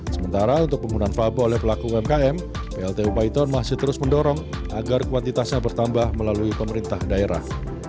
sementara untuk penggunaan favo oleh pelaku umkm pltu baiton masih terus mendorong agar kuantitasnya bertambah melalui pemerintah daerah